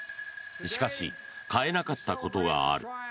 しかし変えなかったことがある。